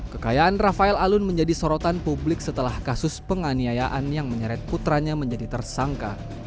kekayaan rafael alun menjadi sorotan publik setelah kasus penganiayaan yang menyeret putranya menjadi tersangka